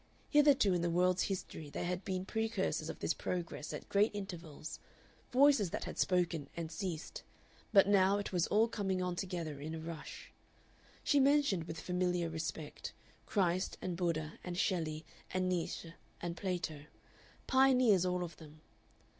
Hitherto in the world's history there had been precursors of this Progress at great intervals, voices that had spoken and ceased, but now it was all coming on together in a rush. She mentioned, with familiar respect, Christ and Buddha and Shelley and Nietzsche and Plato. Pioneers all of them.